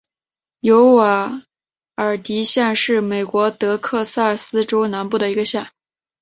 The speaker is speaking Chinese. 尤瓦尔迪县是美国德克萨斯州南部的一个县。